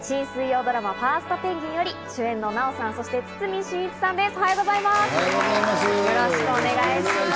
新水曜ドラマ『ファーストペンギン！』より主演の奈緒さん、そして堤真一さんです。